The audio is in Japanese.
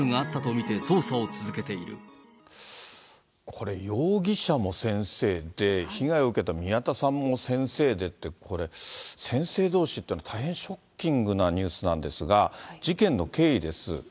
これ、容疑者も先生で、被害を受けた宮田さんも先生でって、これ、先生どうしっていうの、大変ショッキングなニュースなんですが、事件の経緯です。